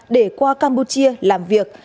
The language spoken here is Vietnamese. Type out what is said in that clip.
để qua campuchia làm việc